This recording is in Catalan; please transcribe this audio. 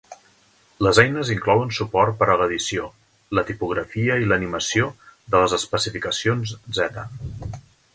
Les eines inclouen suport per a l'edició, la tipografia i l'animació de les especificacions Z.